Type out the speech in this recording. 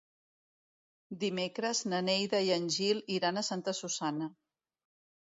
Dimecres na Neida i en Gil iran a Santa Susanna.